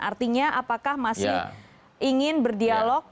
artinya apakah masih ingin berdialog